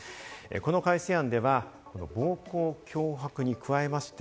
この改正案では、暴行・脅迫に加えまして、